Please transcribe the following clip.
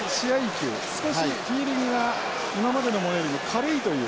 球少しフィーリングが今までのものよりも軽いという。